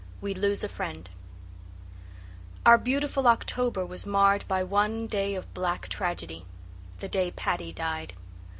WE LOSE A FRIEND Our beautiful October was marred by one day of black tragedy the day Paddy died.